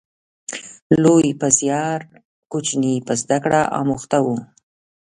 لوی په زیار، کوچنی په زده کړه اموخته و